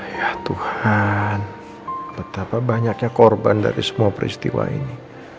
ya tuhan betapa banyaknya korban dari semua peristiwa ini